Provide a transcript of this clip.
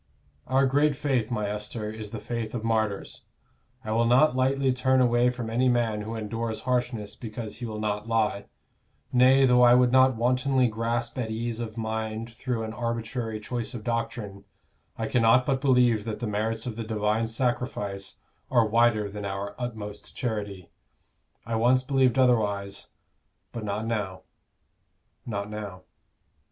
Our great faith, my Esther, is the faith of martyrs: I will not lightly turn away from any man who endures harshness because he will not lie; nay, though I would not wantonly grasp at ease of mind through an arbitrary choice of doctrine, I cannot but believe that the merits of the Divine Sacrifice are wider than our utmost charity. I once believed otherwise but not now, not now."